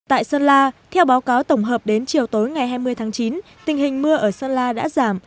tại sơn la theo báo cáo tổng hợp đến chiều tối ngày hai mươi tháng chín tình hình mưa ở sơn la đã giảm